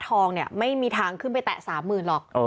ทองเนี่ยไม่มีทางขึ้นไปแตะ๓๐๐๐หรอก